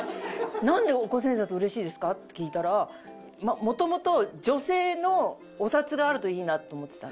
「なんで五千円札嬉しいんですか？」って聞いたら元々女性のお札があるといいなって思ってた。